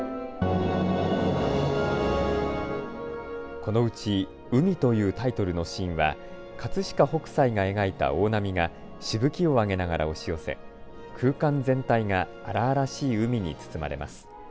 このうち海というタイトルのシーンは葛飾北斎が描いた大波がしぶきをあげながら押し寄せ空間全体が荒々しい海に包まれます。